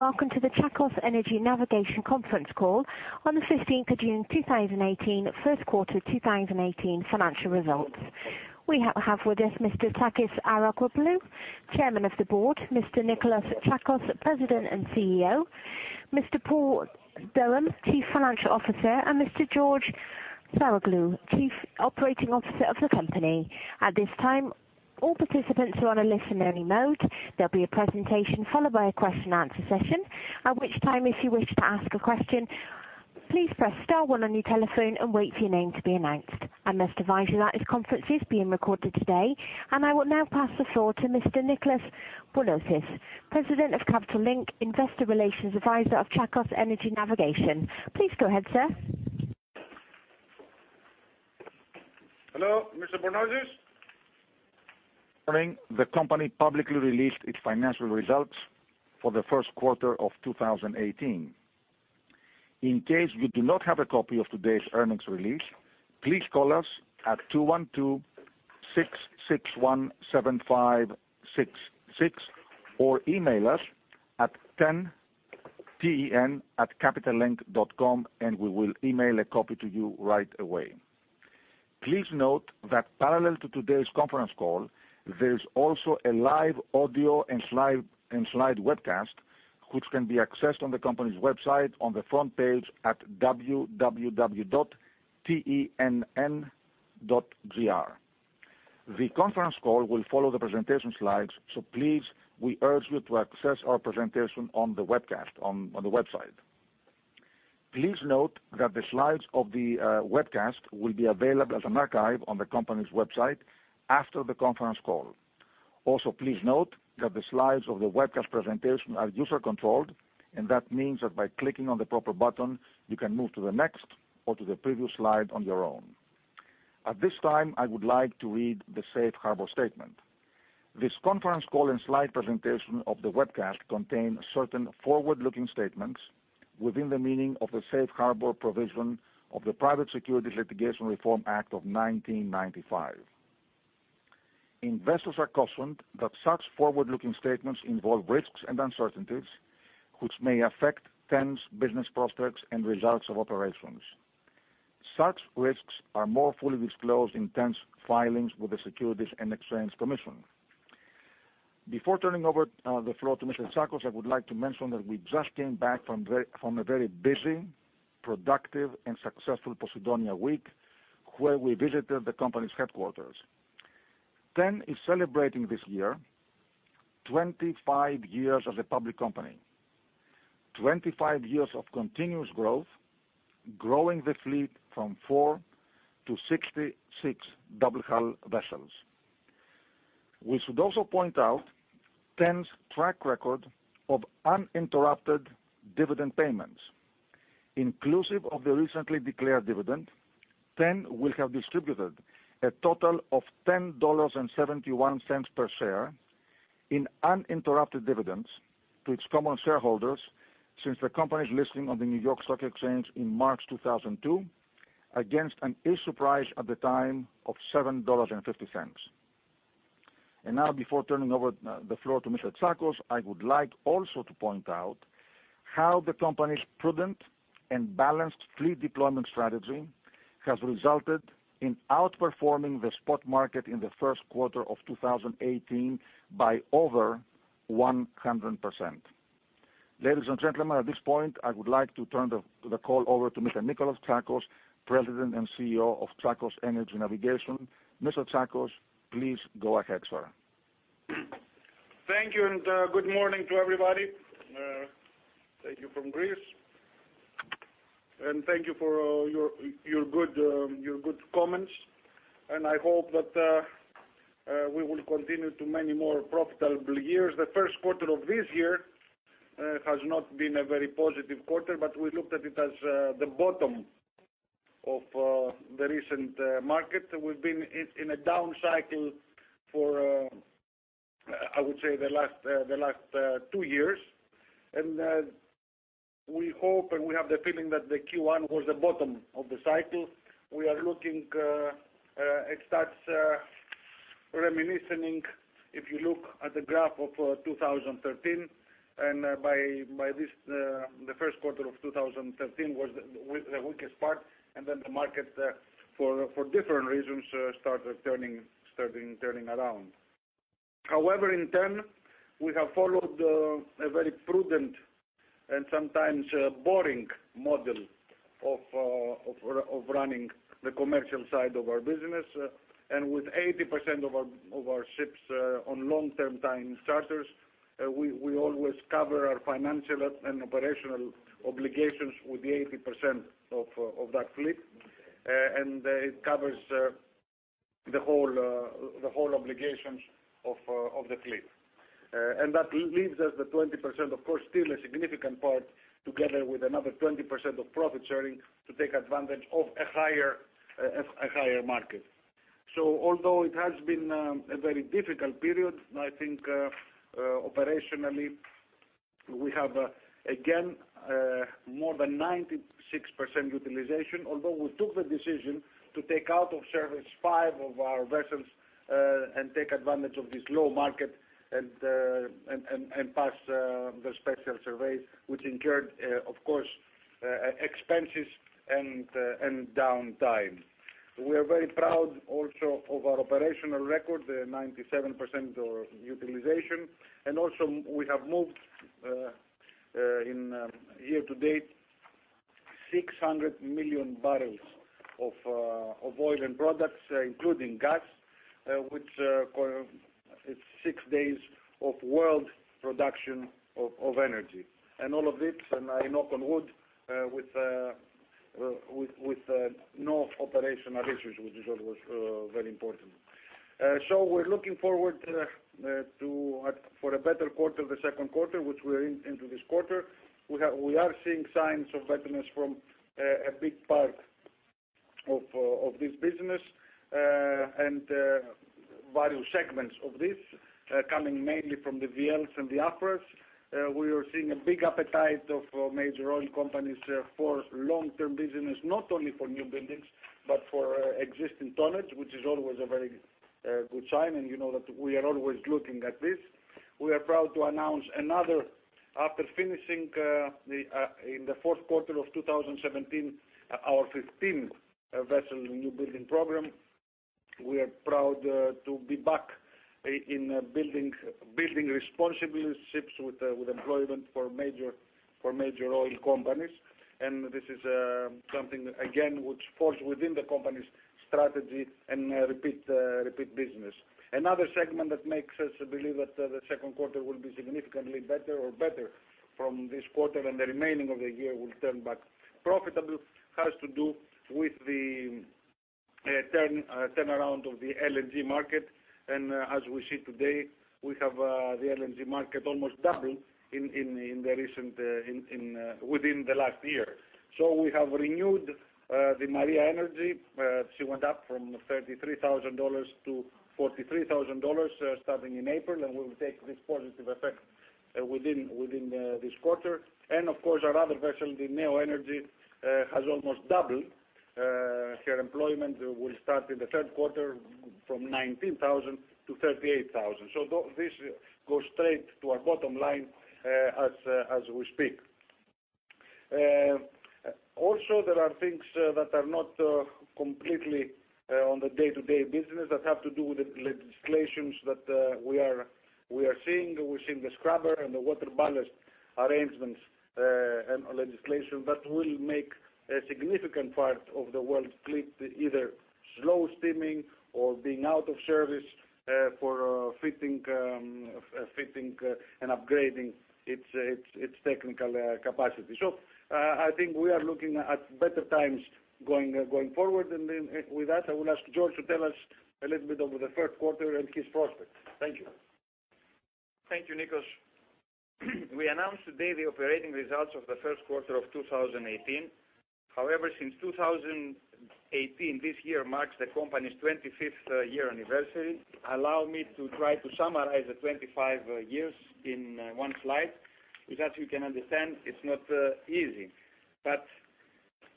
Welcome to the Tsakos Energy Navigation conference call on the 15th of June, 2018, first quarter 2018 financial results. We have with us Mr. Efstratios-Georgios Arapoglou, Chairman of the Board, Mr. Nikolas Tsakos, President and CEO, Mr. Paul Durham, Chief Financial Officer, and Mr. George Saroglou, Chief Operating Officer of the company. At this time, all participants are on a listen-only mode. There will be a presentation followed by a question answer session. At which time if you wish to ask a question, please press star 1 on your telephone and wait for your name to be announced. I must advise you that this conference is being recorded today, and I will now pass the floor to Mr. Nicolas Bornozis, President of Capital Link Investor Relations Advisor of Tsakos Energy Navigation. Please go ahead, sir. Hello, Mr. Bornozis. The company publicly released its financial results for the first quarter of 2018. In case you do not have a copy of today's earnings release, please call us at 212-661-7566 or email us at ten@capitallink.com and we will email a copy to you right away. Please note that parallel to today's conference call, there is also a live audio and slide webcast, which can be accessed on the company's website on the front page at www.tenn.gr. The conference call will follow the presentation slides. Please, we urge you to access our presentation on the webcast on the website. Please note that the slides of the webcast will be available as an archive on the company's website after the conference call. Please note that the slides of the webcast presentation are user-controlled, and that means that by clicking on the proper button, you can move to the next or to the previous slide on your own. At this time, I would like to read the safe harbor statement. This conference call and slide presentation of the webcast contain certain forward-looking statements within the meaning of the safe harbor provision of the Private Securities Litigation Reform Act of 1995. Investors are cautioned that such forward-looking statements involve risks and uncertainties, which may affect TEN's business prospects and results of operations. Such risks are more fully disclosed in TEN's filings with the Securities and Exchange Commission. Before turning over the floor to Mr. Tsakos, I would like to mention that we just came back from a very busy, productive, and successful Posidonia week where we visited the company's headquarters. TEN is celebrating this year 25 years as a public company. 25 years of continuous growth, growing the fleet from four to 66 double hull vessels. We should also point out TEN's track record of uninterrupted dividend payments. Inclusive of the recently declared dividend, TEN will have distributed a total of $10.71 per share in uninterrupted dividends to its common shareholders since the company's listing on the New York Stock Exchange in March 2002 against an issue price at the time of $7.50. Now before turning over the floor to Mr. Tsakos, I would like also to point out how the company's prudent and balanced fleet deployment strategy has resulted in outperforming the spot market in the first quarter of 2018 by over 100%. Ladies and gentlemen, at this point, I would like to turn the call over to Mr. Nikolas Tsakos, President and CEO of Tsakos Energy Navigation. Mr. Tsakos, please go ahead, sir. Thank you. Good morning to everybody. Thank you from Greece. Thank you for your good comments. I hope that we will continue to many more profitable years. The first quarter of this year has not been a very positive quarter. We looked at it as the bottom of the recent market. We've been in a down cycle for, I would say, the last two years. We hope, we have the feeling that the Q1 was the bottom of the cycle. We are looking at such reminiscing if you look at the graph of 2013. The first quarter of 2013 was the weakest part. The market for different reasons started turning around. However, in TEN, we have followed a very prudent and sometimes boring model of running the commercial side of our business. With 80% of our ships on long-term time charters, we always cover our financial and operational obligations with the 80% of that fleet. It covers the whole obligations of the fleet. That leaves us the 20%, of course, still a significant part together with another 20% of profit sharing to take advantage of a higher market. Although it has been a very difficult period, I think operationally we have again more than 96% utilization, although we took the decision to take out of service five of our vessels and take advantage of this low market and pass the special surveys which incurred of course expenses and downtime. We are very proud also of our operational record, the 97% utilization. We have moved, year to date, 600 million barrels of oil and products, including gas, which is six days of world production of energy. All of this, and I knock on wood, with no operational issues, which is always very important. We're looking forward for a better quarter, the second quarter, which we're into this quarter. We are seeing signs of veterans from a big part of this business, and various segments of this coming mainly from the VLs and the Afras. We are seeing a big appetite of major oil companies for long-term business, not only for new buildings, but for existing tonnage, which is always a very good sign. You know that we are always looking at this. We are proud to announce another, after finishing in the fourth quarter of 2017, our 15th vessel new building program. We are proud to be back in building responsible ships with employment for major oil companies. This is something, again, which falls within the company's strategy and repeat business. Another segment that makes us believe that the second quarter will be significantly better or better from this quarter and the remaining of the year will turn back profitable, has to do with the turnaround of the LNG market. As we see today, we have the LNG market almost double within the last year. We have renewed the Maria Energy. She went up from $33,000 to $43,000 starting in April, and we will take this positive effect within this quarter. Of course, our other vessel, the Neo Energy, has almost doubled her employment will start in the third quarter from $19,000 to $38,000. This goes straight to our bottom line as we speak. Also, there are things that are not completely on the day-to-day business that have to do with the legislations that we are seeing. We're seeing the scrubber and the water ballast arrangements and legislation that will make a significant part of the world fleet either slow steaming or being out of service for fitting and upgrading its technical capacity. I think we are looking at better times going forward. With that, I will ask George to tell us a little bit of the first quarter and his prospects. Thank you. Thank you, Nikos. We announced today the operating results of the first quarter of 2018. However, since 2018, this year marks the company's 25th year anniversary. Allow me to try to summarize the 25 years in one slide, which as you can understand, it's not easy.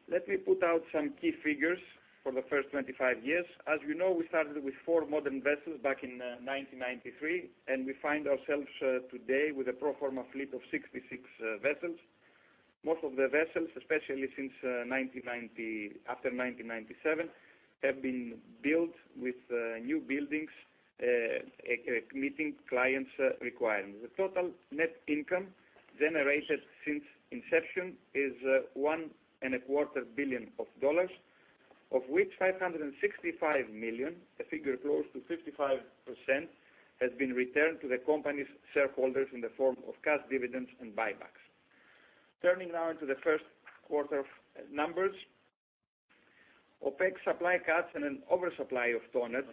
Let me put out some key figures for the first 25 years. As we know, we started with four modern vessels back in 1993, and we find ourselves today with a pro forma fleet of 66 vessels. Most of the vessels, especially after 1997, have been built with new buildings meeting clients' requirements. The total net income generated since inception is $1.25 billion, of which $565 million, a figure close to 55%, has been returned to the company's shareholders in the form of cash dividends and buybacks. Turning now to the first quarter numbers. OPEC supply cuts and an oversupply of tonnage,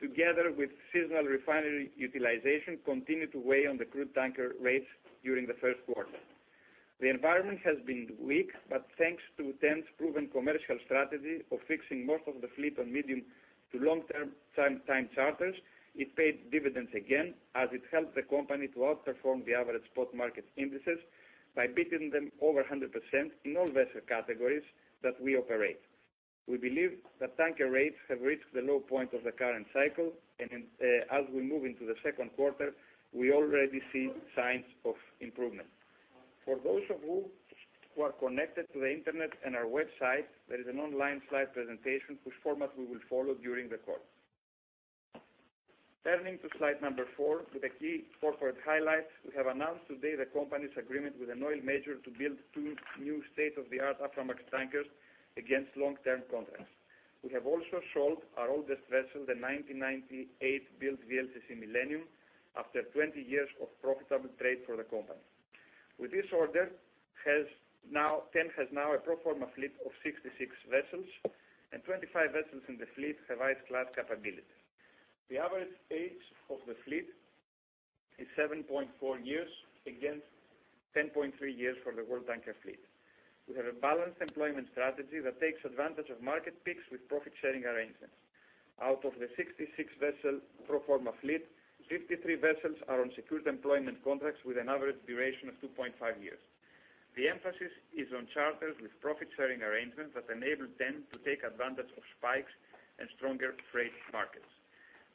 together with seasonal refinery utilization, continue to weigh on the crude tanker rates during the first quarter. The environment has been weak. Thanks to TEN's proven commercial strategy of fixing most of the fleet on medium to long-term time charters, it paid dividends again as it helped the company to outperform the average spot market indices by beating them over 100% in all vessel categories that we operate. We believe that tanker rates have reached the low point of the current cycle. As we move into the second quarter, we already see signs of improvement. For those of you who are connected to the internet and our website, there is an online slide presentation which format we will follow during the call. Turning to slide number four with the key corporate highlights. We have announced today the company's agreement with an oil major to build two new state-of-the-art Aframax tankers against long-term contracts. We have also sold our oldest vessel, the 1998-built VLCC Millennium, after 20 years of profitable trade for the company. With this order, TEN has now a pro forma fleet of 66 vessels. 25 vessels in the fleet have ice class capabilities. The average age of the fleet is 7.4 years, against 10.3 years for the world tanker fleet. We have a balanced employment strategy that takes advantage of market peaks with profit-sharing arrangements. Out of the 66 vessel pro forma fleet, 53 vessels are on secured employment contracts with an average duration of 2.5 years. The emphasis is on charters with profit-sharing arrangements that enable TEN to take advantage of spikes and stronger freight markets.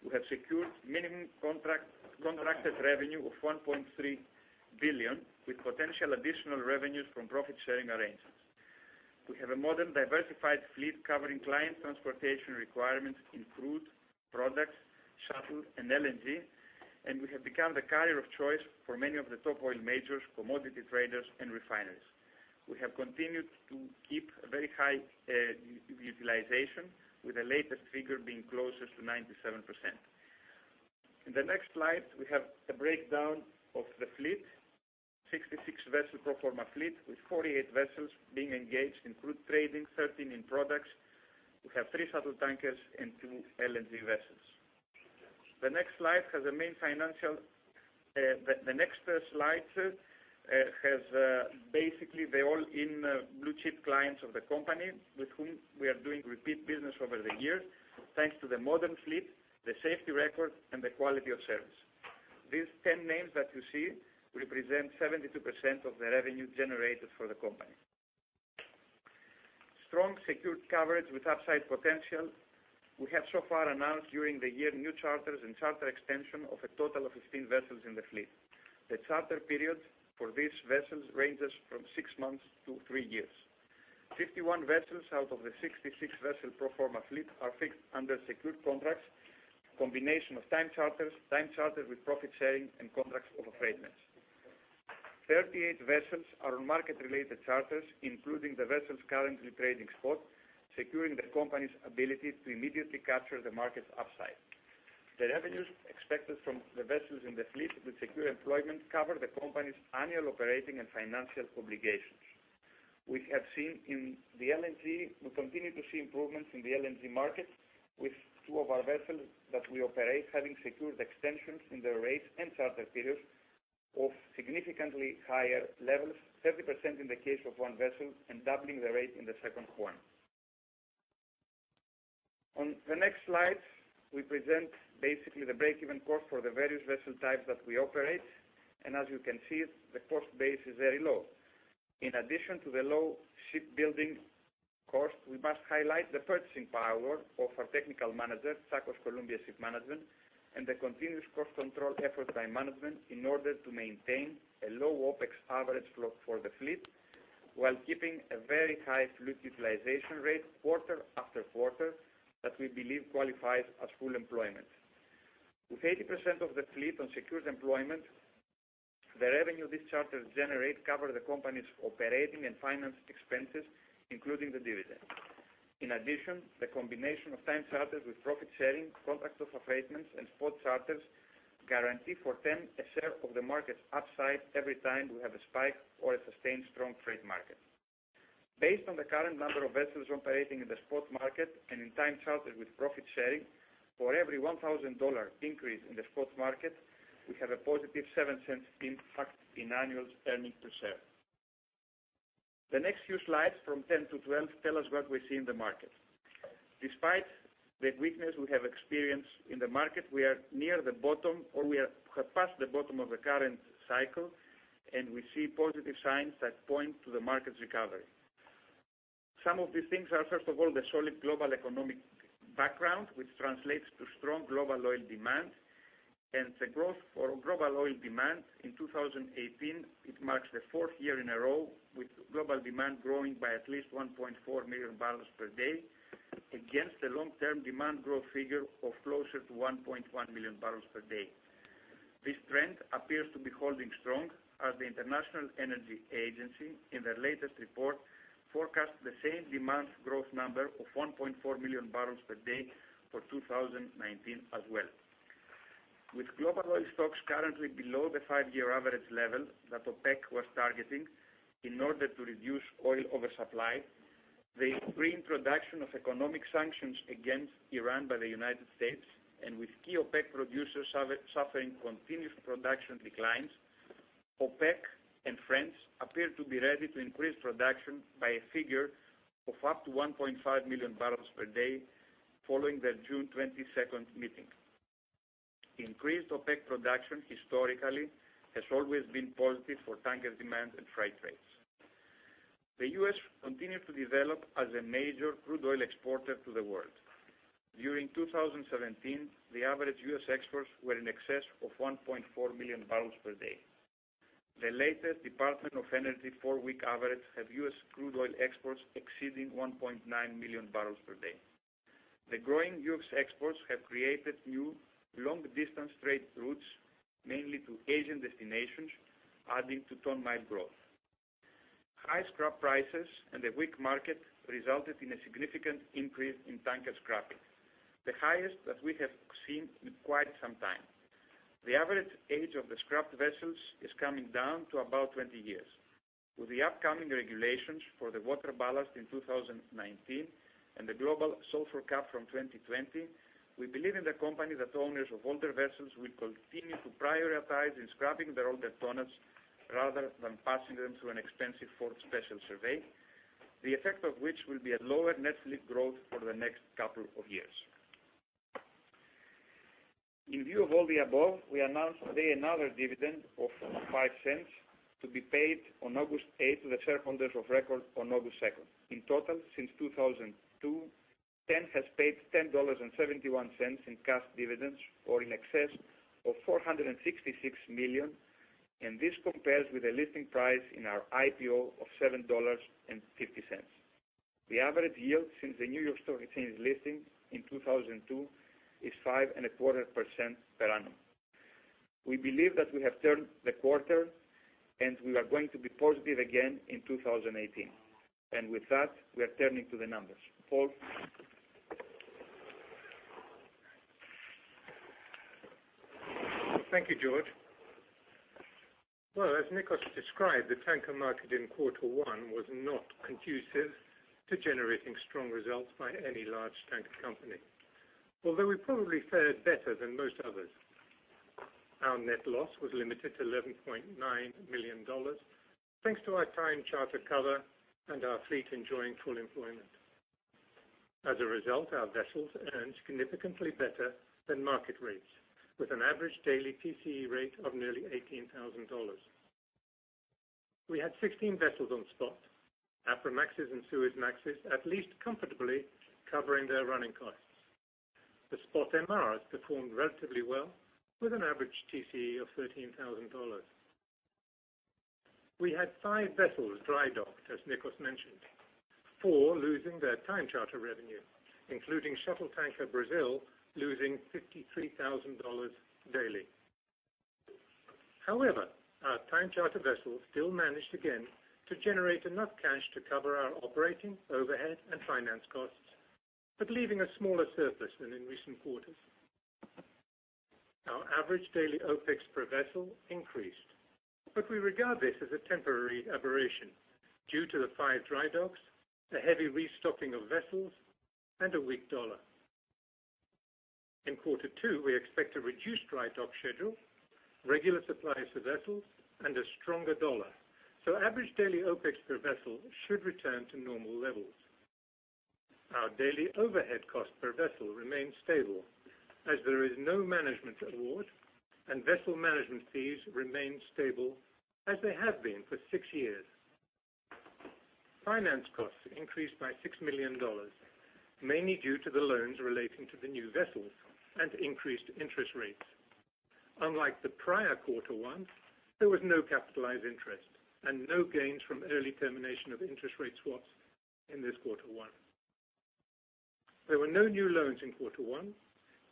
We have secured minimum contracted revenue of $1.3 billion with potential additional revenues from profit-sharing arrangements. We have a modern, diversified fleet covering client transportation requirements in crude, products, shuttle, and LNG. We have become the carrier of choice for many of the top oil majors, commodity traders, and refineries. We have continued to keep a very high utilization, with the latest figure being closest to 97%. In the next slide, we have a breakdown of the fleet, 66 vessel pro forma fleet, with 48 vessels being engaged in crude trading, 13 in products. We have three shuttle tankers and two LNG vessels. The next slide has basically the all-in blue chip clients of the company with whom we are doing repeat business over the years, thanks to the modern fleet, the safety record, and the quality of service. These 10 names that you see represent 72% of the revenue generated for the company. Strong secured coverage with upside potential. We have so far announced during the year new charters and charter extension of a total of 15 vessels in the fleet. The charter period for these vessels ranges from six months to three years. 53 vessels out of the 66 vessel pro forma fleet are fixed under secured contracts, combination of time charters, time charters with profit sharing, and contracts of affreightment. 38 vessels are on market-related charters, including the vessels currently trading spot, securing the company's ability to immediately capture the market's upside. The revenues expected from the vessels in the fleet with secure employment cover the company's annual operating and financial obligations. We continue to see improvements in the LNG market, with two of our vessels that we operate having secured extensions in their rates and charter periods of significantly higher levels, 30% in the case of one vessel and doubling the rate in the 2nd one. On the next slide, we present basically the break-even cost for the various vessel types that we operate, and as you can see, the cost base is very low. In addition to the low shipbuilding cost, we must highlight the purchasing power of our technical manager, Tsakos Columbia Shipmanagement, and the continuous cost control effort by management in order to maintain a low OpEx average for the fleet while keeping a very high fleet utilization rate quarter after quarter that we believe qualifies as full employment. With 80% of the fleet on secured employment, the revenue these charters generate cover the company's operating and finance expenses, including the dividend. In addition, the combination of time charters with profit sharing, contracts of affreightment, and spot charters guarantee for them a share of the market's upside every time we have a spike or a sustained strong freight market. Based on the current number of vessels operating in the spot market and in time charter with profit sharing, for every $1,000 increase in the spot market, we have a positive $0.07 impact in annual earnings per share. The next few slides from 10 to 12 tell us what we see in the market. Despite the weakness we have experienced in the market, we are near the bottom, or we have passed the bottom of the current cycle, and we see positive signs that point to the market's recovery. Some of these things are, first of all, the solid global economic background, which translates to strong global oil demand. The growth for global oil demand in 2018, it marks the 4th year in a row with global demand growing by at least 1.4 million barrels per day against the long-term demand growth figure of closer to 1.1 million barrels per day. This trend appears to be holding strong as the International Energy Agency, in their latest report, forecast the same demand growth number of 1.4 million barrels per day for 2019 as well. With global oil stocks currently below the five-year average level that OPEC was targeting in order to reduce oil oversupply, the reintroduction of economic sanctions against Iran by the U.S., and with key OPEC producers suffering continuous production declines, OPEC and friends appear to be ready to increase production by a figure of up to 1.5 million barrels per day following their June 22nd meeting. Increased OPEC production historically has always been positive for tanker demand and freight rates. The U.S. continued to develop as a major crude oil exporter to the world. During 2017, the average U.S. exports were in excess of 1.4 million barrels per day. The latest Department of Energy four-week average have U.S. crude oil exports exceeding 1.9 million barrels per day. The growing U.S. exports have created new long-distance trade routes, mainly to Asian destinations, adding to ton mile growth. High scrap prices and a weak market resulted in a significant increase in tanker scrapping, the highest that we have seen in quite some time. The average age of the scrap vessels is coming down to about 20 years. With the upcoming regulations for the water ballast in 2019 and the global sulfur cap from 2020, we believe in the company that owners of older vessels will continue to prioritize in scrapping their older tonnage rather than passing them through an expensive fourth special survey, the effect of which will be a lower net fleet growth for the next couple of years. In view of all the above, we announce today another dividend of $0.05, to be paid on August 8th to the shareholders of record on August 2nd. In total, since 2002, TEN has paid $10.71 in cash dividends, or in excess of $466 million, and this compares with a listing price in our IPO of $7.50. The average yield since the New York Stock Exchange listing in 2002 is 5.25% per annum. We believe that we have turned the quarter, and we are going to be positive again in 2018. With that, we are turning to the numbers. Paul? Thank you, George. As Nikos described, the tanker market in quarter one was not conducive to generating strong results by any large tanker company, although we probably fared better than most others. Our net loss was limited to $11.9 million, thanks to our time charter cover and our fleet enjoying full employment. As a result, our vessels earned significantly better than market rates, with an average daily TCE rate of nearly $18,000. We had 16 vessels on spot. Aframaxes and Suezmaxes at least comfortably covering their running costs. The spot MRs performed relatively well with an average TCE of $13,000. We had five vessels dry docked, as Nikos mentioned, four losing their time charter revenue, including Shuttle Tanker Brazil, losing $53,000 daily. Our time charter vessels still managed again to generate enough cash to cover our operating, overhead, and finance costs, but leaving a smaller surplus than in recent quarters. Our average daily OpEx per vessel increased, but we regard this as a temporary aberration due to the five dry docks, the heavy restocking of vessels, and a weak dollar. In quarter two, we expect a reduced dry dock schedule, regular supplies to vessels, and a stronger dollar, Average daily OpEx per vessel should return to normal levels. Our daily overhead cost per vessel remains stable as there is no management award, and vessel management fees remain stable as they have been for six years. Finance costs increased by $6 million, mainly due to the loans relating to the new vessels and increased interest rates. Unlike the prior quarter one, there was no capitalized interest and no gains from early termination of interest rate swaps in this quarter one. There were no new loans in quarter one.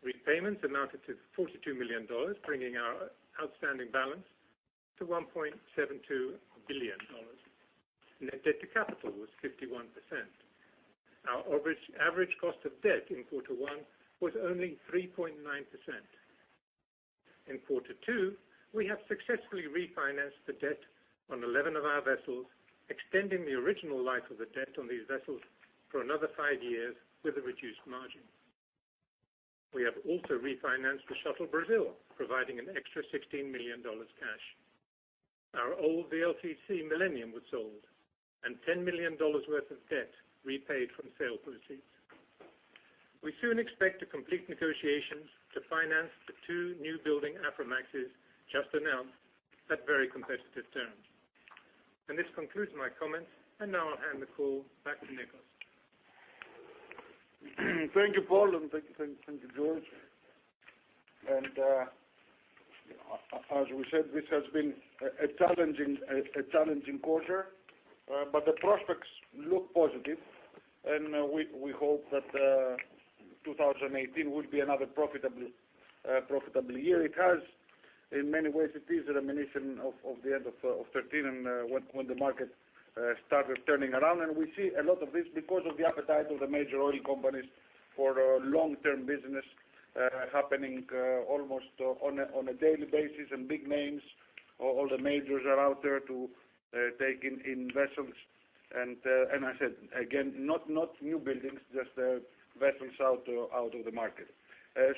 Repayments amounted to $42 million, bringing our outstanding balance to $1.72 billion. Net debt to capital was 51%. Our average cost of debt in quarter one was only 3.9%. In quarter two, we have successfully refinanced the debt on 11 of our vessels, extending the original life of the debt on these vessels for another five years with a reduced margin. We have also refinanced the Shuttle Brazil, providing an extra $16 million cash. Our old VLCC Millennium was sold, and $10 million worth of debt repaid from sale proceeds. We soon expect to complete negotiations to finance the two new building Aframaxes just announced at very competitive terms. This concludes my comments. Now I'll hand the call back to Nikos. Thank you, Paul, and thank you, George. As we said, this has been a challenging quarter, but the prospects look positive, and we hope that 2018 will be another profitable year. It is a reminiscent of the end of 2013 and when the market started turning around. We see a lot of this because of the appetite of the major oil companies for long-term business happening almost on a daily basis. Big names. All the majors are out there to take in vessels. I said again, not new buildings, just vessels out of the market.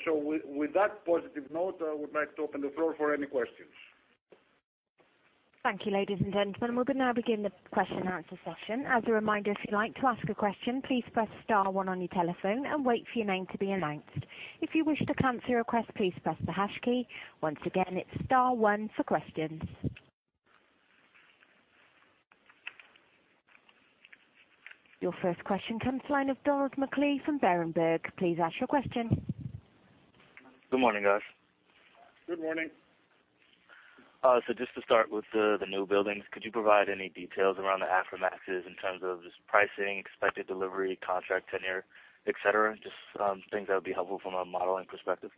With that positive note, I would like to open the floor for any questions. Thank you, ladies and gentlemen. We'll now begin the question and answer session. As a reminder, if you'd like to ask a question, please press *1 on your telephone and wait for your name to be announced. If you wish to cancel your request, please press the # key. Once again, it's *1 for questions. Your first question comes line of Donald McLee from Berenberg. Please ask your question. Good morning, guys. Good morning. Just to start with the new buildings, could you provide any details around the Aframaxes in terms of just pricing, expected delivery, contract tenure, et cetera? Just things that would be helpful from a modeling perspective.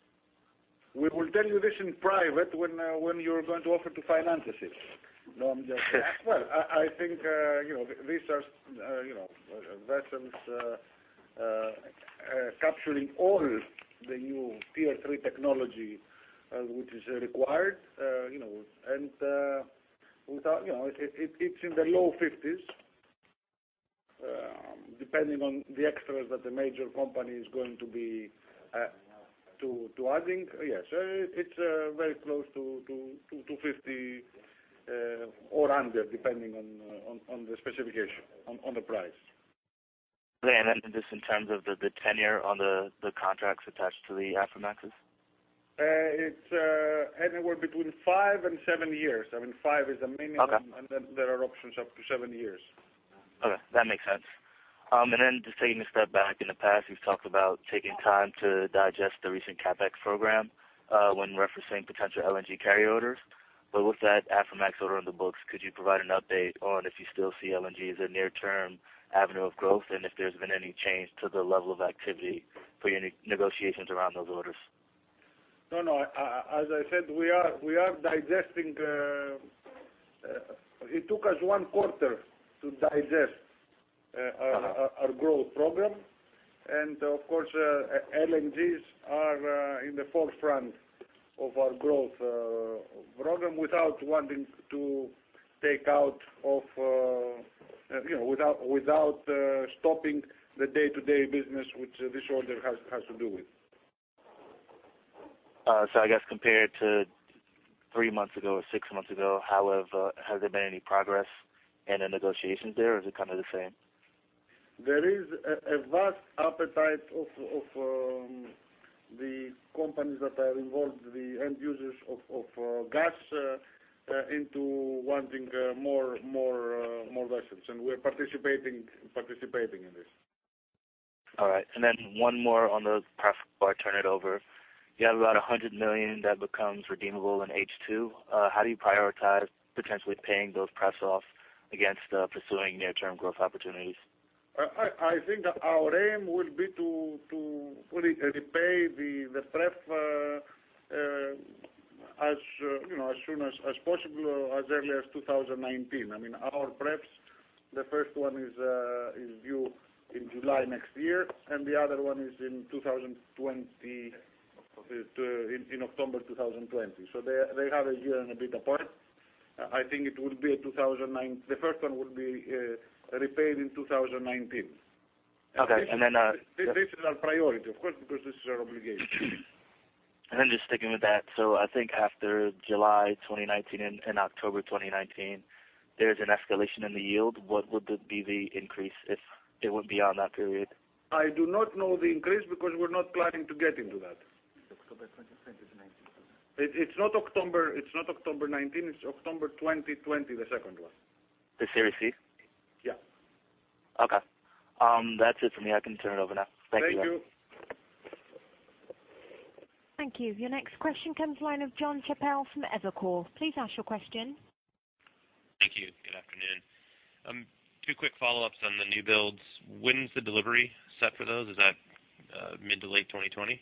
We will tell you this in private when you are going to offer to finance the ships. No, I'm just kidding. Well, I think these are vessels capturing all the new Tier III technology which is required. It's in the low $50s, depending on the extras that the major company is going to be adding. Yes. It's very close to $50 or under, depending on the specification, on the price. just in terms of the tenure on the contracts attached to the Aframaxes? It's anywhere between five and seven years. I mean, five is the minimum. Okay there are options up to seven years. Okay. That makes sense. just taking a step back, in the past, you've talked about taking time to digest the recent CapEx program when referencing potential LNG carrier orders. with that Aframax order on the books, could you provide an update on if you still see LNG as a near-term avenue of growth, and if there's been any change to the level of activity for your negotiations around those orders? No, as I said, we are digesting. It took us one quarter to digest our growth program. Of course, LNGs are in the forefront of our growth program without stopping the day-to-day business, which this order has to do with. I guess compared to three months ago or six months ago, has there been any progress in the negotiations there, or is it kind of the same? There is a vast appetite of the companies that are involved, the end users of gas into wanting more vessels, and we're participating in this. All right. One more on the pref before I turn it over. You have about $100 million that becomes redeemable in H2. How do you prioritize potentially paying those pref off against pursuing near-term growth opportunities? I think our aim will be to fully repay the pref as soon as possible, or as early as 2019. I mean, our pref, the first one is due in July next year, and the other one is in October 2020. They are a year and a bit apart. I think the first one would be repaid in 2019. Okay. This is our priority, of course, because this is our obligation. Just sticking with that, so I think after July 2019 and October 2019, there is an escalation in the yield. What would be the increase if it went beyond that period? I do not know the increase because we're not planning to get into that. October 2020 is 2019. It's not October 2019. It's October 2020, the second one. The Series C? Yeah. Okay. That's it for me. I can turn it over now. Thank you. Thank you. Thank you. Your next question comes the line of Jonathan Chappell from Evercore. Please ask your question. Thank you. Good afternoon. Two quick follow-ups on the new builds. When's the delivery set for those? Is that mid to late 2020?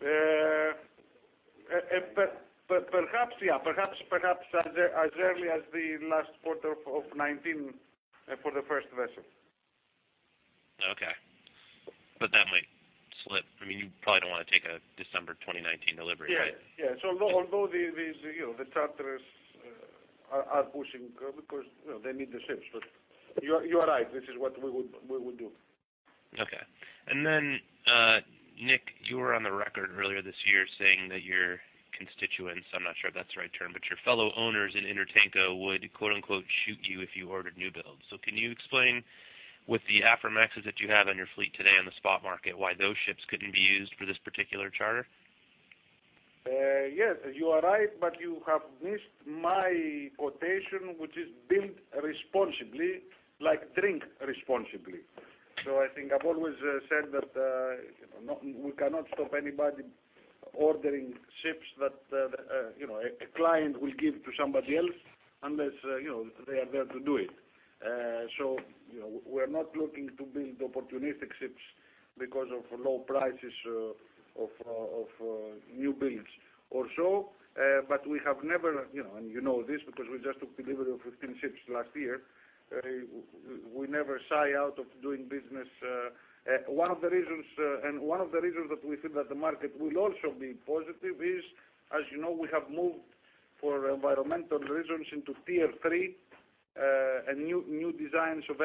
Perhaps, yeah. As early as the last quarter of 2019 for the first vessel. Okay. That might slip. I mean, you probably don't want to take a December 2019 delivery, right? Yeah. The charterers are pushing because they need the ships, but you are right. This is what we would do. Okay. Then, Nick, you were on the record earlier this year saying that your constituents, I'm not sure if that's the right term, but your fellow owners in Intertanko would quote, unquote, "Shoot you if you ordered new builds." Can you explain with the Aframaxes that you have on your fleet today on the spot market, why those ships couldn't be used for this particular charter? Yes, you are right, but you have missed my quotation, which is "Build responsibly, like drink responsibly." I think I've always said that we cannot stop anybody ordering ships that a client will give to somebody else, unless they are there to do it. We're not looking to build opportunistic ships because of low prices of new builds. Also, we have never, and you know this because we just took delivery of 15 ships last year, we never shy out of doing business. One of the reasons that we feel that the market will also be positive is, as you know, we have moved for environmental reasons into Tier III, and new designs of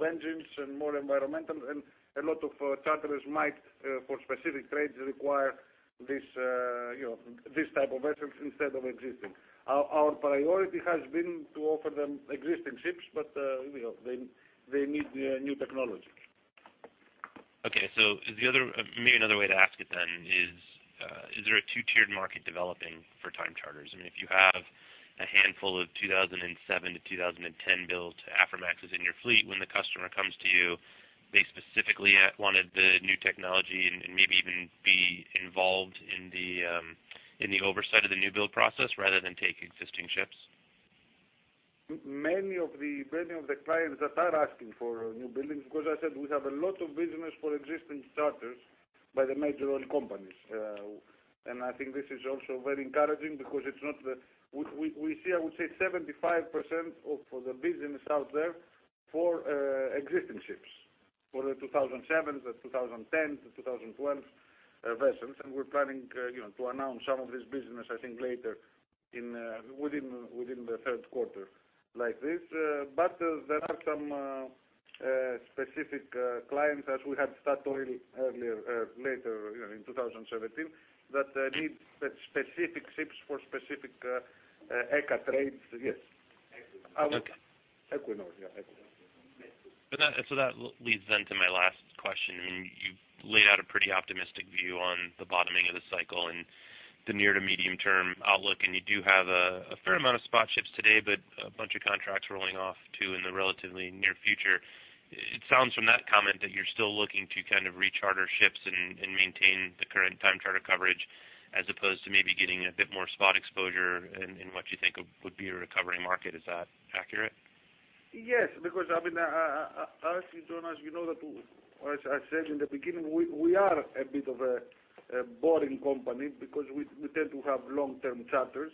engines and more environmental, and a lot of charterers might, for specific trades, require these type of vessels instead of existing. Our priority has been to offer them existing ships, but they need new technology. Okay. Maybe another way to ask it then is there a two-tiered market developing for time charters? I mean, if you have a handful of 2007 to 2010 built Aframaxes in your fleet, when the customer comes to you, they specifically wanted the new technology and maybe even be involved in the oversight of the new build process rather than take existing ships? Many of the clients that are asking for new buildings, because I said we have a lot of business for existing charters by the major oil companies. I think this is also very encouraging because we see, I would say, 75% of the business out there for existing ships, for the 2007, the 2010, the 2012 vessels. We're planning to announce some of this business, I think, later within the third quarter like this. There are some specific clients, as we had Statoil earlier, later in 2017, that need specific ships for specific ECA trades. Yes. Equinor. Equinor, yeah. Equinor That leads then to my last question. You've laid out a pretty optimistic view on the bottoming of the cycle and the near to medium-term outlook, and you do have a fair amount of spot ships today, but a bunch of contracts rolling off too in the relatively near future. It sounds from that comment that you're still looking to recharter ships and maintain the current time charter coverage as opposed to maybe getting a bit more spot exposure in what you think would be a recovering market. Is that accurate? Yes. Because, I mean, as you join us, you know that, as I said in the beginning, we are a bit of a boring company because we tend to have long-term charters.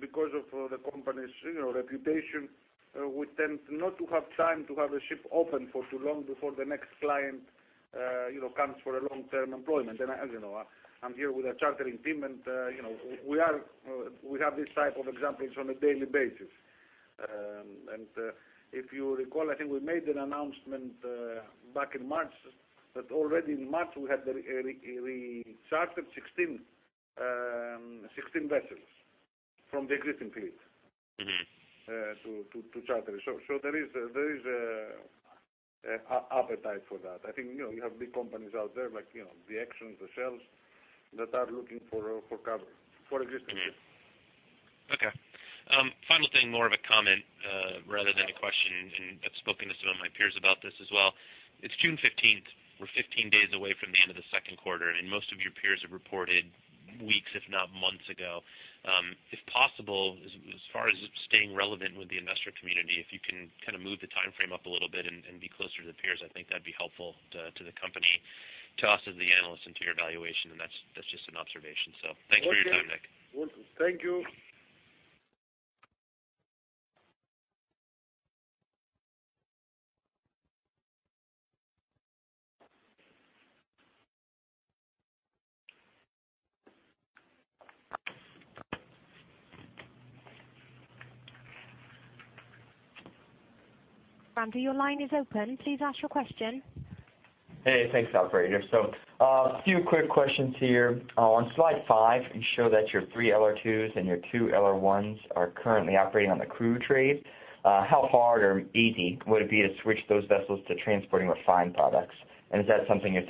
Because of the company's reputation, we tend not to have time to have a ship open for too long before the next client comes for a long-term employment. As you know, I'm here with a chartering team, and we have these type of examples on a daily basis. If you recall, I think we made an announcement back in March that already in March we had rechartered 16 vessels from the existing fleet to charter. There is appetite for that. I think you have big companies out there like the Exxon, the Shell, that are looking for coverage for existing ships. Okay. Final thing, more of a comment rather than a question, I've spoken to some of my peers about this as well. It's June 15th. We're 15 days away from the end of the second quarter, and most of your peers have reported weeks, if not months ago. If possible, as far as staying relevant with the investor community, if you can move the timeframe up a little bit and be closer to the peers, I think that'd be helpful to the company, to us as the analysts, and to your valuation. That's just an observation. Thank you for your time, Nick. Thank you. Randy, your line is open. Please ask your question. Hey, thanks, operator. A few quick questions here. On slide five, you show that your 3 LR2s and your 2 LR1s are currently operating on the crude trade. How hard or easy would it be to switch those vessels to transporting refined products? Is that something you're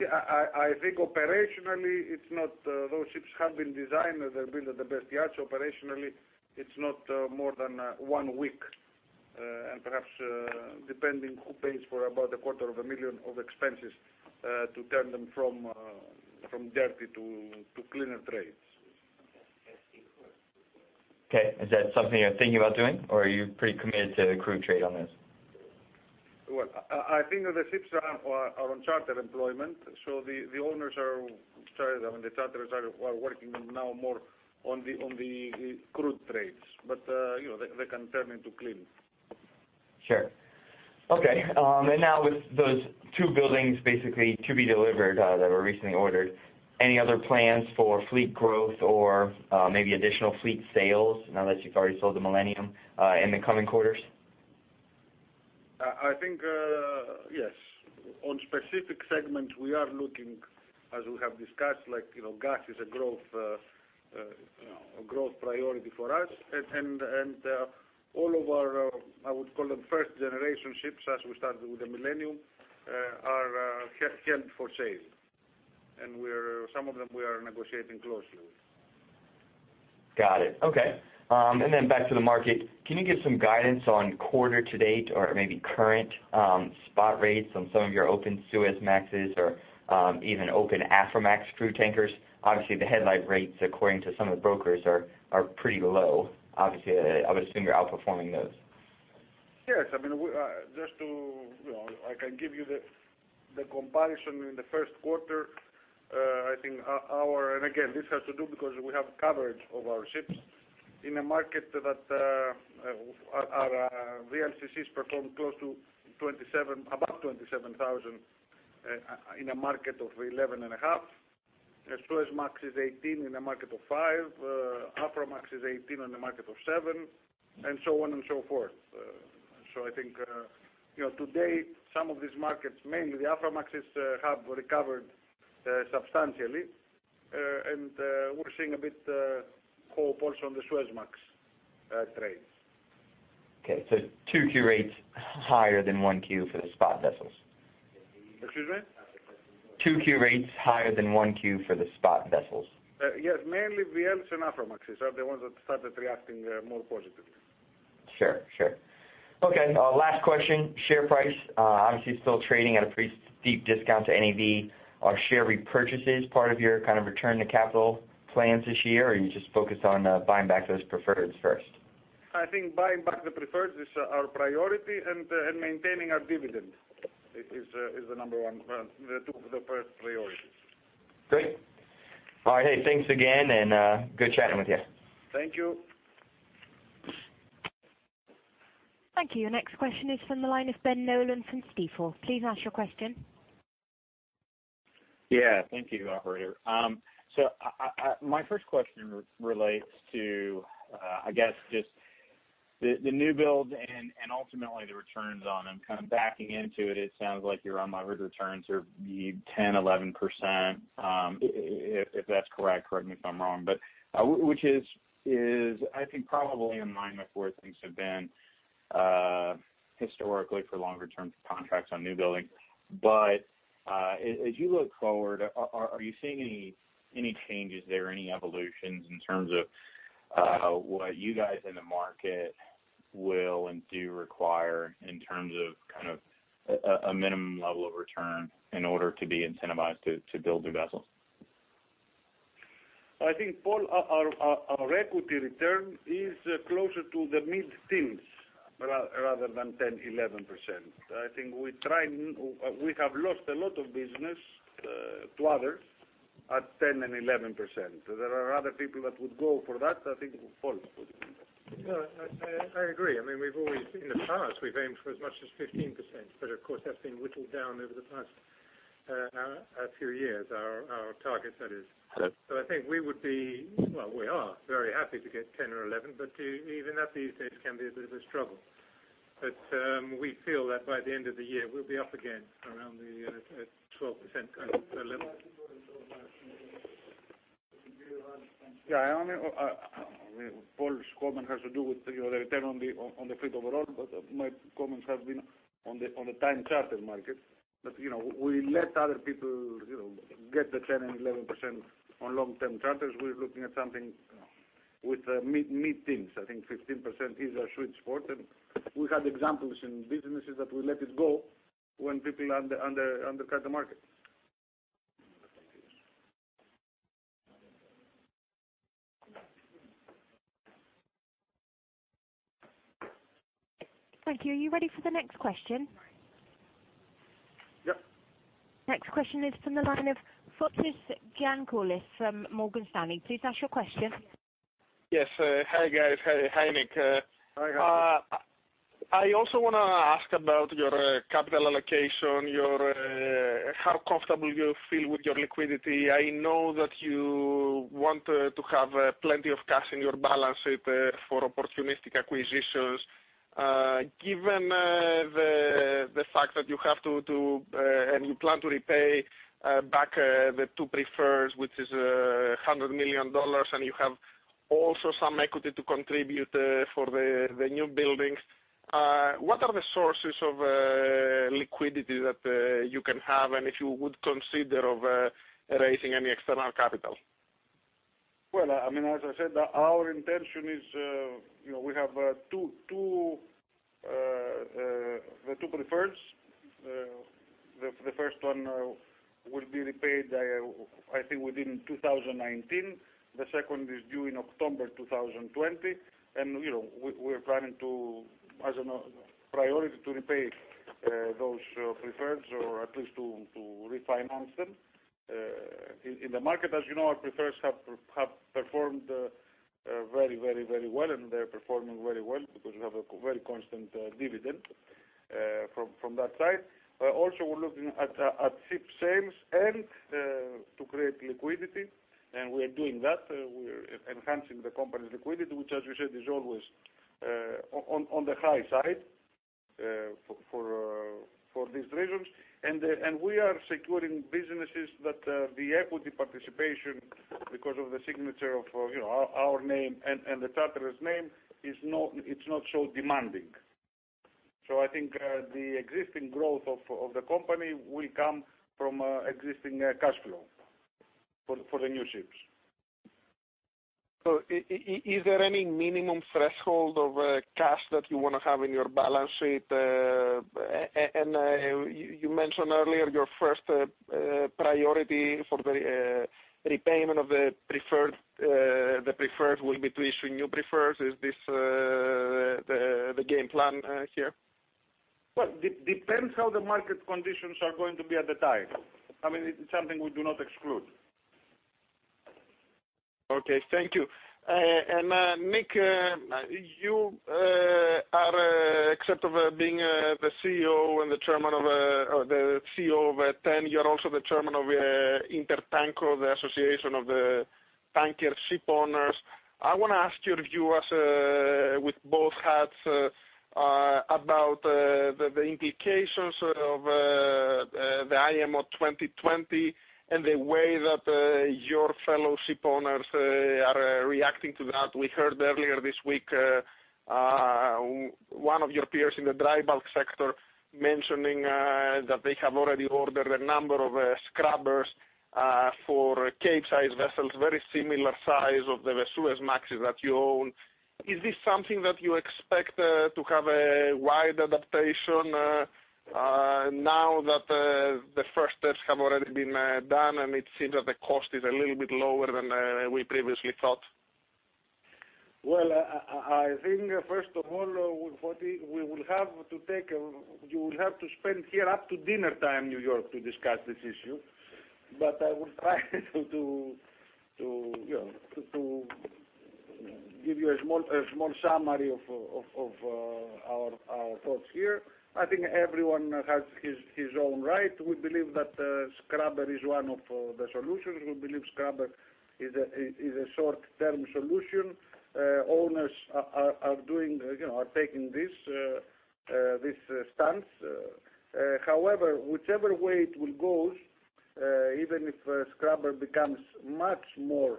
thinking about doing? I think operationally, those ships have been designed, they're built at the best yards. Operationally, it's not more than one week, and perhaps, depending who pays for about a quarter of a million of expenses to turn them from dirty to cleaner trades. Okay. Is that something you're thinking about doing or are you pretty committed to the crude trade on this? Well, I think that the ships are on charter employment, so the owners are chartered, I mean, the charterers are working now more on the crude trades, but they can turn into clean. Sure. Okay. Now with those two buildings basically to be delivered that were recently ordered, any other plans for fleet growth or maybe additional fleet sales, now that you've already sold the Millennium, in the coming quarters? I think, yes. On specific segments, we are looking, as we have discussed, like gas is a growth priority for us. All of our, I would call them first-generation ships as we started with the Millennium, are held for sale. Some of them we are negotiating closely with. Got it. Okay. Back to the market. Can you give some guidance on quarter to date or maybe current spot rates on some of your open Suezmaxes or even open Aframax crude tankers? Obviously, the headline rates according to some of the brokers are pretty low. Obviously, I would assume you're outperforming those. Yes. I mean, I can give you the comparison in the first quarter. This has to do because we have coverage of our ships in a market that our VLCCs performed close to $27, about $27,000 in a market of $11.5. A Suezmax is $18 in a market of $5. Aframax is $18 on a market of $7, and so on and so forth. I think today some of these markets, mainly the Aframaxes, have recovered substantially. We're seeing a bit hope also on the Suezmax trades. 2Q rates higher than 1Q for the spot vessels? Excuse me? 2Q rates higher than 1Q for the spot vessels? Yes. Mainly VLs and Aframaxes are the ones that started reacting more positively. Sure. Okay. Last question. Share price. Obviously, you're still trading at a pretty steep discount to NAV. Are share repurchases part of your return to capital plans this year? Or are you just focused on buying back those preferreds first? I think buying back the preferreds is our priority and maintaining our dividend is the first priority. Great. All right. Hey, thanks again, and good chatting with you. Thank you. Thank you. Next question is from the line of Ben Nolan from Stifel. Please ask your question. Yeah. Thank you, operator. My first question relates to, I guess just the newbuild Ultimately the returns on them, kind of backing into it sounds like your unlevered returns are the 10%, 11%, if that's correct me if I'm wrong, which is I think probably in line with where things have been historically for longer-term contracts on new buildings. As you look forward, are you seeing any changes there, any evolutions in terms of what you guys in the market will and do require in terms of a minimum level of return in order to be incentivized to build the vessels? Paul, our equity return is closer to the mid-teens rather than 10%, 11%. We have lost a lot of business to others at 10% and 11%. There are other people that would go for that. Paul would know. I agree. In the past, we've aimed for as much as 15%. Of course, that's been whittled down over the past few years, our target that is. Sure. We are very happy to get 10% or 11%. Even that these days can be a bit of a struggle. We feel that by the end of the year, we'll be up again around the 12% kind of level. Yeah. Paul's comment has to do with the return on the fleet overall, my comments have been on the time charter market. We let other people get the 10% and 11% on long-term charters. We're looking at something with mid-teens, I think 15% is our sweet spot, and we had examples in businesses that we let it go when people undercut the market. Thank you. Are you ready for the next question? Yep. Next question is from the line of Fotis Giannakoulis from Morgan Stanley. Please ask your question. Yes. Hi, guys. Hi, Nick. Hi, Fotis. I also want to ask about your capital allocation, how comfortable you feel with your liquidity. I know that you want to have plenty of cash in your balance sheet for opportunistic acquisitions. Given the fact that you have to, and you plan to repay back the two prefers, which is $100 million, and you have also some equity to contribute for the new buildings. What are the sources of liquidity that you can have and if you would consider of raising any external capital? Well, as I said, our intention is we have the two prefers. The first one will be repaid, I think, within 2019. The second is due in October 2020. We're planning to, as a priority, to repay those prefers or at least to refinance them. In the market, as you know, our prefers have performed very well, and they're performing very well because we have a very constant dividend from that side. We're looking at ship sales and to create liquidity, and we are doing that. We're enhancing the company's liquidity, which, as you said, is always on the high side for these reasons. We are securing businesses that the equity participation because of the signature of our name and the charterer's name it's not so demanding. I think the existing growth of the company will come from existing cash flow for the new ships. Is there any minimum threshold of cash that you want to have in your balance sheet? You mentioned earlier your first priority for the repayment of the preferred will be to issue new prefers. Is this the game plan here? Well, depends how the market conditions are going to be at the time. It's something we do not exclude. Okay. Thank you. Nick, you are except of being the CEO of TEN, you are also the Chairman of Intertanko, the association of tanker ship owners. I want to ask your view as with both hats about the implications of the IMO 2020 and the way that your fellow ship owners are reacting to that. We heard earlier this week one of your peers in the dry bulk sector mentioning that they have already ordered a number of scrubbers for Capesize vessels, very similar size of the Suezmaxes that you own. Is this something that you expect to have a wide adaptation now that the first steps have already been done and it seems that the cost is a little bit lower than we previously thought? Well, I think first of all, Fotis, you will have to spend here up to dinnertime New York to discuss this issue. I will try to give you a small summary of our thoughts here. I think everyone has his own right. We believe that scrubber is one of the solutions. We believe scrubber is a short-term solution. Owners are taking this stance. However, whichever way it will go, even if scrubber becomes much more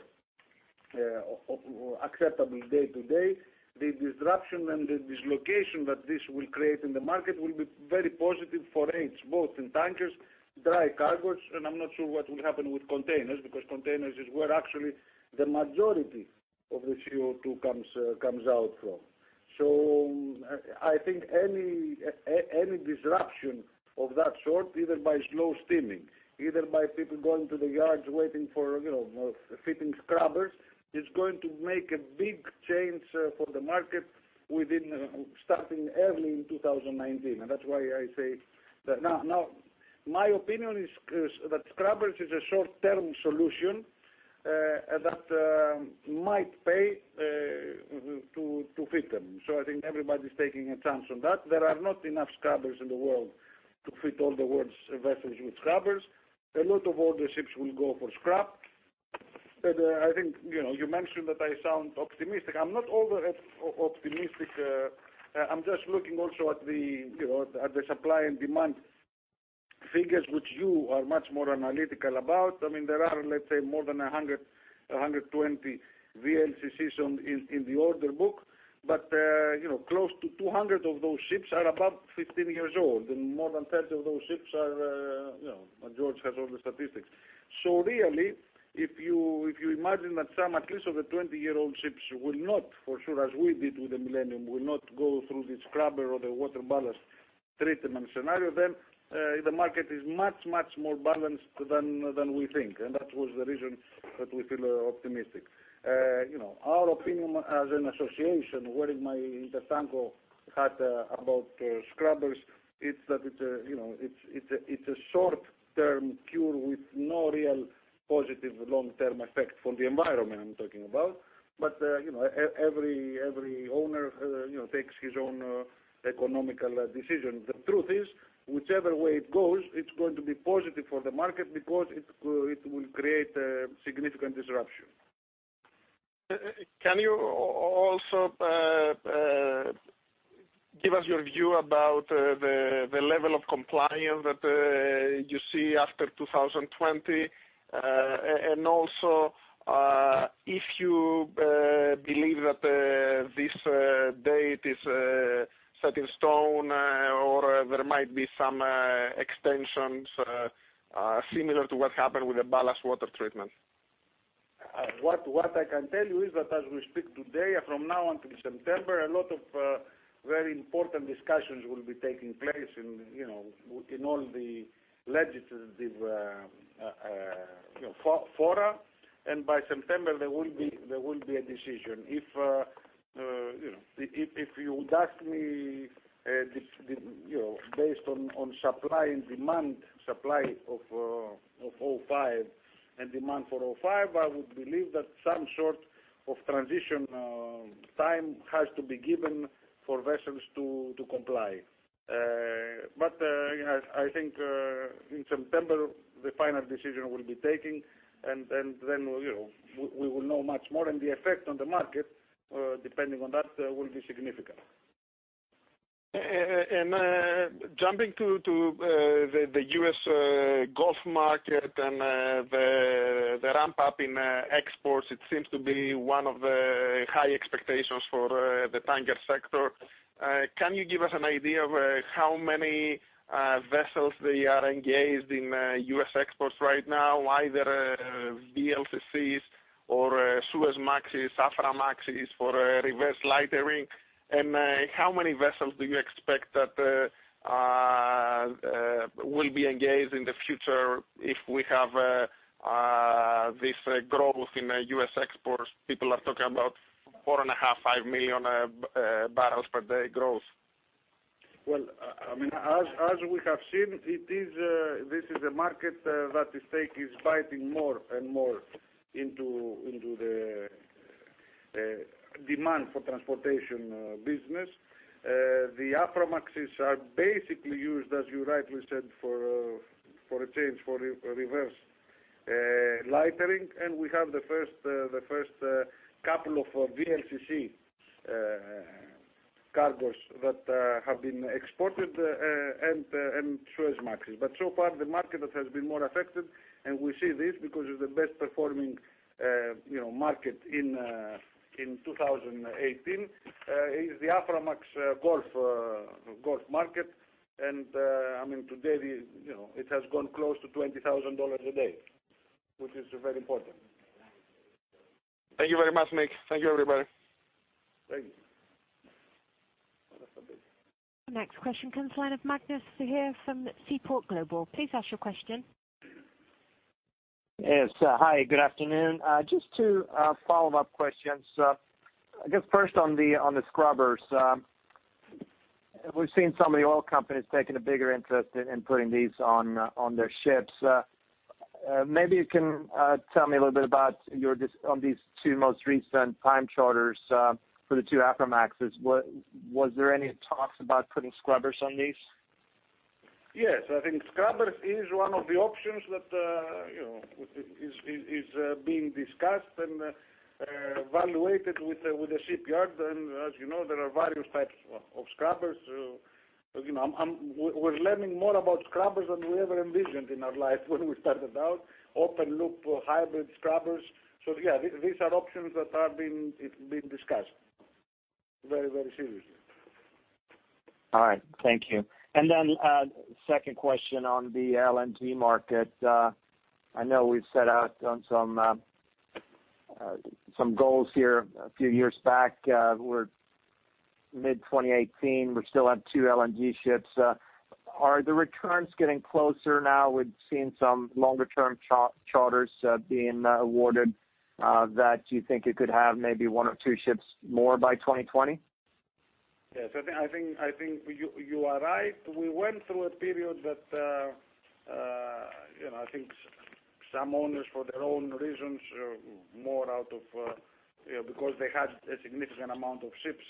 acceptable day to day, the disruption and the dislocation that this will create in the market will be very positive for rates, both in tankers, dry cargos, and I'm not sure what will happen with containers because containers is where actually the majority of the CO2 comes out from. I think any disruption of that sort, either by slow steaming, either by people going to the yards waiting for fitting scrubbers, is going to make a big change for the market starting early in 2019. That's why I say that my opinion is that scrubbers is a short-term solution that might pay to fit them. I think everybody's taking a chance on that. There are not enough scrubbers in the world to fit all the world's vessels with scrubbers. A lot of older ships will go for scrap. You mentioned that I sound optimistic. I'm not over-optimistic. I'm just looking also at the supply and demand figures, which you are much more analytical about. There are, let's say, more than 100, 120 VLCCs in the order book, close to 200 of those ships are above 15 years old, and more than 30 of those ships are, George has all the statistics. Really, if you imagine that some, at least of the 20-year-old ships will not, for sure, as we did with the Millennium, will not go through the scrubber or the water ballast treatment scenario, then the market is much, much more balanced than we think. That was the reason that we feel optimistic. Our opinion as an association, wearing my Intertanko hat about scrubbers, it's that it's a short-term cure with no real positive long-term effect for the environment, I'm talking about. Every owner takes his own economical decision. The truth is, whichever way it goes, it's going to be positive for the market because it will create a significant disruption. Can you also give us your view about the level of compliance that you see after 2020? Also, if you believe that this date is set in stone or there might be some extensions similar to what happened with the water ballast treatment? What I can tell you is that as we speak today, from now until September, a lot of very important discussions will be taking place in all the legislative fora, by September, there will be a decision. If you would ask me based on supply and demand, supply of 0.5% and demand for 0.5%, I would believe that some sort of transition time has to be given for vessels to comply. I think in September, the final decision will be taken, then we will know much more, the effect on the market, depending on that, will be significant. Jumping to the U.S. Gulf market and the ramp-up in exports, it seems to be one of the high expectations for the tanker sector. Can you give us an idea of how many vessels they are engaged in U.S. exports right now, either VLCCs or Suezmaxes, Aframaxes for reverse lightering? How many vessels do you expect that will be engaged in the future if we have this growth in U.S. exports? People are talking about 4.5 million-5 million barrels per day growth. As we have seen, this is a market that the stake is biting more and more into the demand for transportation business. The Aframaxes are basically used, as you rightly said, for a change, for reverse lightering, and we have the first couple of VLCC cargos that have been exported and Suezmaxes. So far, the market that has been more affected, and we see this because it's the best-performing market in 2018, is the Aframax Gulf market. Today it has gone close to $20,000 a day, which is very important. Thank you very much, Nikos. Thank you, everybody. Thank you. Next question comes the line of Magnus Wahle from Seaport Global. Please ask your question. Yes. Hi, good afternoon. Just two follow-up questions. I guess first on the scrubbers. We've seen some of the oil companies taking a bigger interest in putting these on their ships. Maybe you can tell me a little bit about on these two most recent time charters for the two Aframaxes. Was there any talks about putting scrubbers on these? Yes, I think scrubbers is one of the options that is being discussed and evaluated with the shipyard. As you know, there are various types of scrubbers. We're learning more about scrubbers than we ever envisioned in our life when we started out. Open loop, hybrid scrubbers. Yeah, these are options that are being discussed very seriously. All right. Thank you. Then, second question on the LNG market. I know we've set out on some goals here a few years back. We're mid-2018. We still have two LNG ships. Are the returns getting closer now? We've seen some longer-term charters being awarded that you think you could have maybe one or two ships more by 2020? Yes, I think you are right. We went through a period that I think some owners, for their own reasons, because they had a significant amount of ships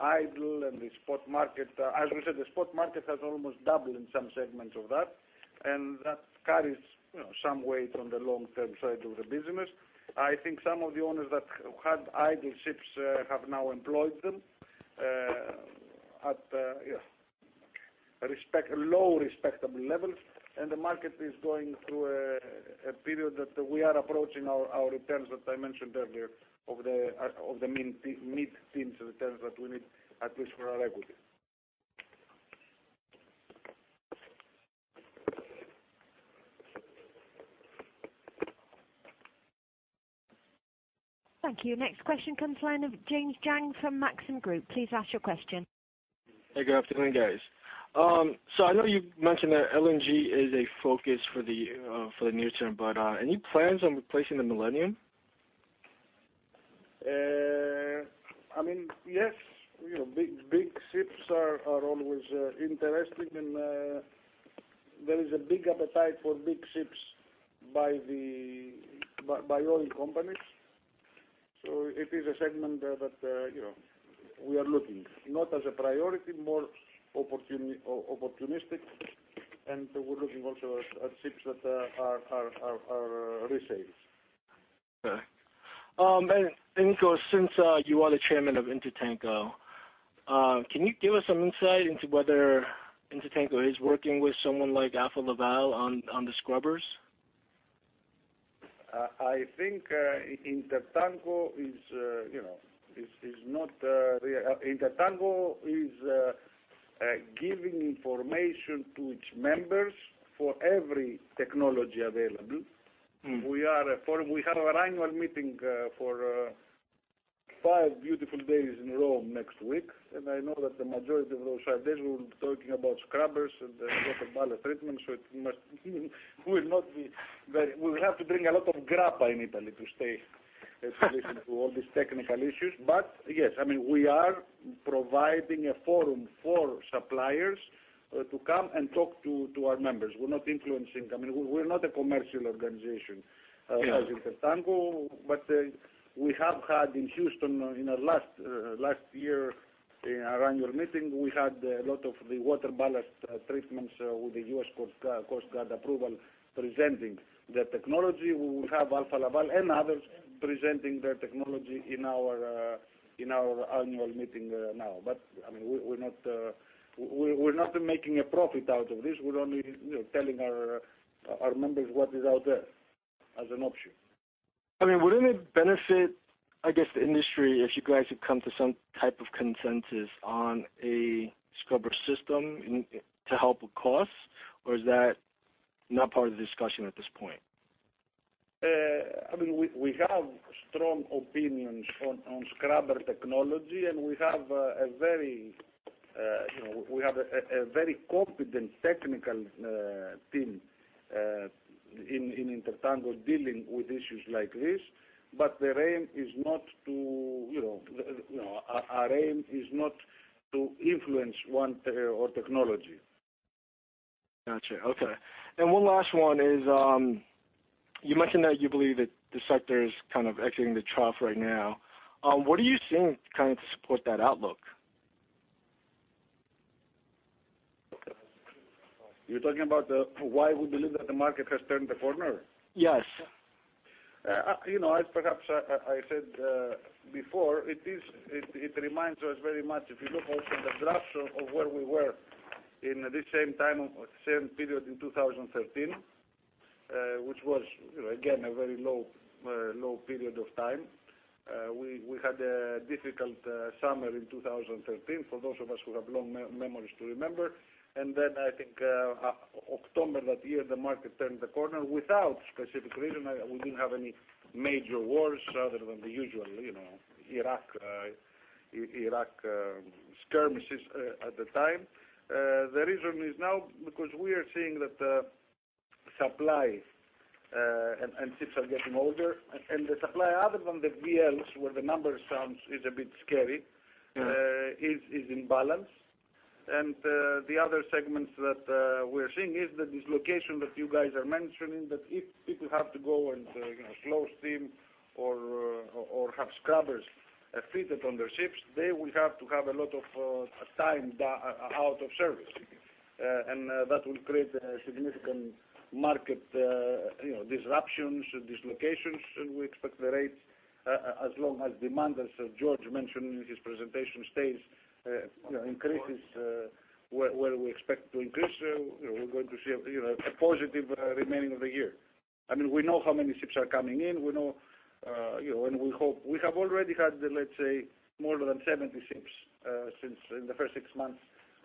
idle in the spot market. As we said, the spot market has almost doubled in some segments of that carries some weight on the long-term side of the business. I think some of the owners that had idle ships have now employed them at low respectable levels, the market is going through a period that we are approaching our returns that I mentioned earlier of the mid-teens returns that we need, at least for our equity. Thank you. Next question comes line of James Jang from Maxim Group. Please ask your question. Hey, good afternoon, guys. I know you mentioned that LNG is a focus for the near term, any plans on replacing the Millennium? Yes. Big ships are always interesting, and there is a big appetite for big ships by oil companies. It is a segment that we are looking. Not as a priority, more opportunistic, and we're looking also at ships that are resales. Okay. Nikos, since you are the chairman of Intertanko, can you give us some insight into whether Intertanko is working with someone like Alfa Laval on the scrubbers? I think Intertanko is giving information to its members for every technology available. We have our annual meeting for five beautiful days in Rome next week, I know that the majority of those five days, we will be talking about scrubbers and water ballast treatment. We will have to bring a lot of grappa in Italy to stay and to listen to all these technical issues. Yes, we are providing a forum for suppliers to come and talk to our members. We're not influencing them, we're not a commercial organization as Intertanko. We have had in Houston in our last year annual meeting, we had a lot of the water ballast treatments with the U.S. Coast Guard approval presenting their technology. We will have Alfa Laval and others presenting their technology in our annual meeting now. We're not making a profit out of this. We're only telling our members what is out there as an option. Wouldn't it benefit, I guess, the industry if you guys could come to some type of consensus on a scrubber system to help with costs? Is that not part of the discussion at this point? We have strong opinions on scrubber technology, and we have a very competent technical team in Intertanko dealing with issues like this. Our aim is not to influence one type or technology. Got you. Okay. One last one is, you mentioned that you believe that the sector is kind of exiting the trough right now. What are you seeing to support that outlook? You're talking about why we believe that the market has turned the corner? Yes. Perhaps I said before, it reminds us very much, if you look also the graphs of where we were in this same period in 2013, which was again, a very low period of time. We had a difficult summer in 2013 for those of us who have long memories to remember. Then I think October that year, the market turned the corner without specific reason. We didn't have any major wars other than the usual Iraq skirmishes at the time. The reason is now because we are seeing that Supply and ships are getting older. The supply other than the VLs, where the number sounds is a bit scary, is in balance. The other segments that we're seeing is the dislocation that you guys are mentioning, that if people have to go and slow steam or have scrubbers fitted on their ships, they will have to have a lot of time out of service. That will create significant market disruptions, dislocations, and we expect the rates, as long as demand, as George mentioned in his presentation, stays, increases, where we expect to increase, we're going to see a positive remaining of the year. We know how many ships are coming in, and we hope we have already had, let's say, more than 70 ships since in the first six months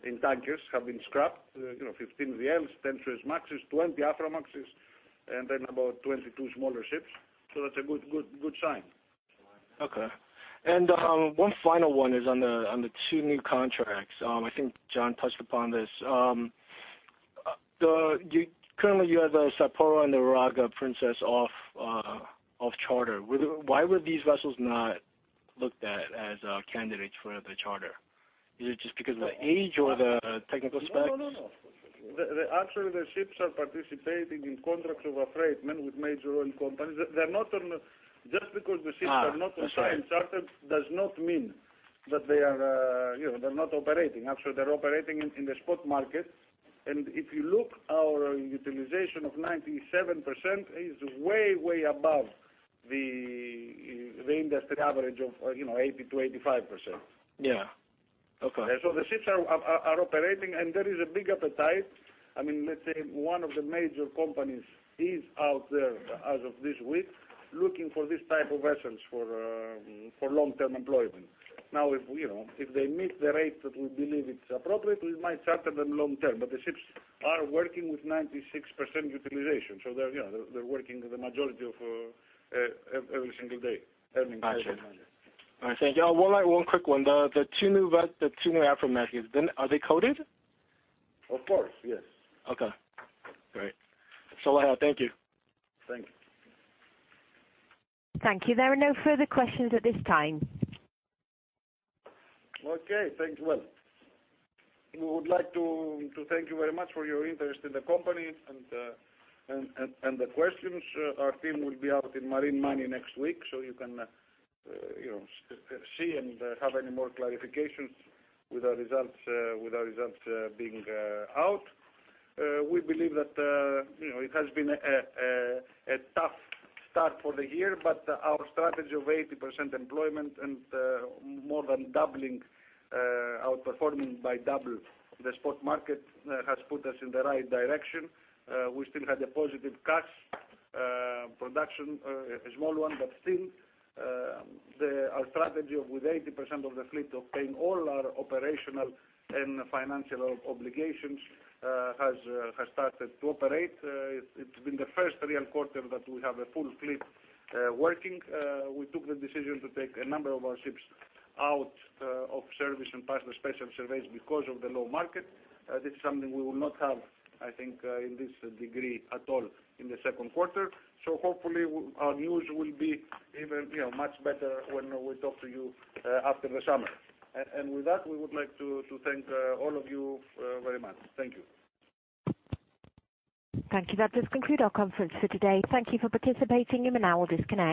in tankers have been scrapped, 15 VLs, 10 Suezmaxes, 20 Aframaxes, and then about 22 smaller ships. That's a good sign. Okay. One final one is on the two new contracts. I think John touched upon this. Currently, you have the Sapporo Princess and the Uraga Princess off charter. Why were these vessels not looked at as candidates for the charter? Is it just because of the age or the technical specs? No, actually the ships are participating in contracts of affreightment with major oil companies. Just because the ships are not on time charter does not mean that they're not operating. Actually, they're operating in the spot market. If you look our utilization of 97% is way above the industry average of 80%-85%. Yeah. Okay. The ships are operating, and there is a big appetite. Let's say one of the major companies is out there as of this week looking for this type of vessels for long-term employment. If they meet the rate that we believe it's appropriate, we might charter them long-term. The ships are working with 96% utilization, so they're working the majority of every single day, earning money. Got you. All right, thank you. One quick one. The two new Aframaxes, are they coded? Of course, yes. Okay, great. Thank you. Thank you. Thank you. There are no further questions at this time. Okay, thank you. Well, we would like to thank you very much for your interest in the company and the questions. Our team will be out in Marine Money next week so you can see and have any more clarifications with our results being out. We believe that it has been a tough start for the year, but our strategy of 80% employment and more than doubling, outperforming by double the spot market has put us in the right direction. We still had a positive cash production, a small one, but still our strategy of with 80% of the fleet of paying all our operational and financial obligations has started to operate. It's been the first real quarter that we have a full fleet working. We took the decision to take a number of our ships out of service and pass the special surveys because of the low market. This is something we will not have, I think, in this degree at all in the second quarter. Hopefully our news will be even much better when we talk to you after the summer. With that, we would like to thank all of you very much. Thank you. Thank you. That does conclude our conference for today. Thank you for participating. You may now all disconnect.